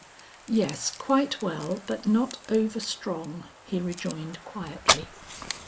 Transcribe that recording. "Yes quite well, but not over strong," he rejoined quietly.